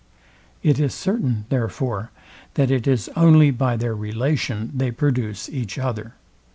It is certain, therefore, that it is only by their relation they produce each other.